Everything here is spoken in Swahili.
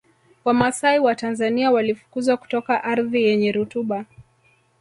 Wamasai wa Tanzania walifukuzwa kutoka ardhi yenye rutuba